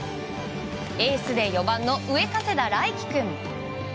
エースで４番の上加世田頼希君。